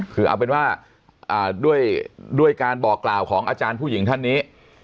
คือเอาเป็นว่าด้วยการบอกกล่าวของอาจารย์ผู้หญิงท่านนี้